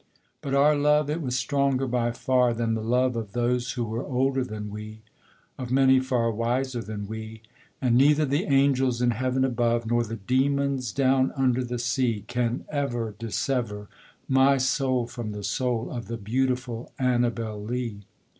But our love it was stronger by far than the love Of those who were older than we Of many far wiser than we And neither the angels in heaven above, Nor the demons down under the sea, Can ever dissever my soul from the soul Of the beautiful Annabel Lee.